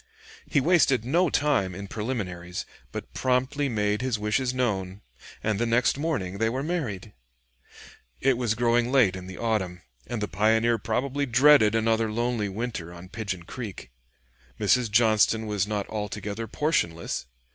He wasted no time in preliminaries, but promptly made his wishes known, and the next morning they were married. It was growing late in the autumn, and the pioneer probably dreaded another lonely winter on Pigeon Creek. Mrs. Johnston was not altogether portionless.